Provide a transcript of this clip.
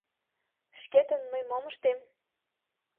— Шкетын мый мом ыштем?